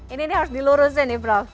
ini harus dilurusin nih prof